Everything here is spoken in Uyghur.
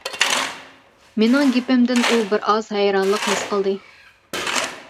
مېنىڭ گېپىمدىن ئۇ بىر ئاز ھەيرانلىق ھېس قىلدى.